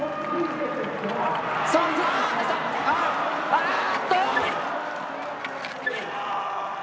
あっと！